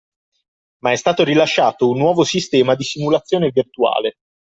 Ma è stato rilasciato un nuovo sistema di simulazione virtuale.